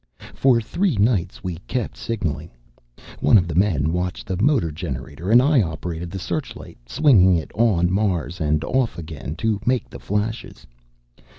"For three nights we kept signaling. One of the men watched the motor generator, and I operated the searchlight, swinging it on Mars and off again, to make the flashes.